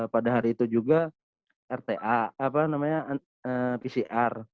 pada hari itu juga rta pcr